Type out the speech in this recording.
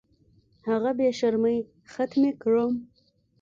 هغه بې شرمۍ ختمې کړم.